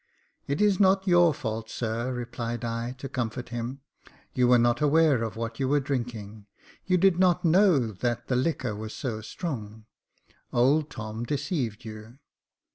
" It is not your fault, sir," replied I, to comfort him ; "you were not aware of what you were drinking — you did not know that the liquor was so strong. Old Tom deceived you."